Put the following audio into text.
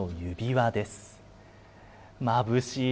まぶしい。